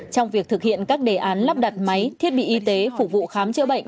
trong việc thực hiện các đề án lắp đặt máy thiết bị y tế phục vụ khám chữa bệnh